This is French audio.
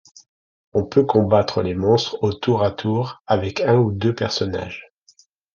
On peut combattre les monstres au tour à tour avec un ou deux personnages.